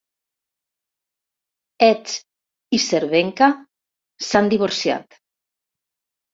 Edge i Cervenka s"han divorciat.